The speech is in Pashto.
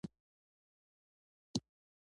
د چای هر غوړپ یو نوی احساس لري.